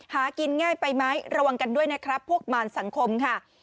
หากินง่ายไปไหมระวังกันด้วยนะครับพวกมารสังคมค่ะ